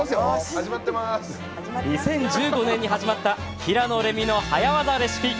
２０１５年に始まった「平野レミの早わざレシピ」。